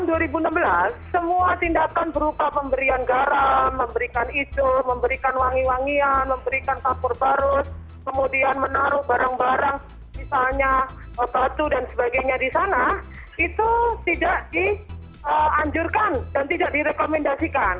jadi begini mbak menurut kepsen who tahun dua ribu enam belas semua tindakan berupa pemberian garam memberikan icu memberikan wangi wangian memberikan tapur barus kemudian menaruh barang barang misalnya batu dan sebagainya di sana itu tidak dianjurkan dan tidak direkomendasikan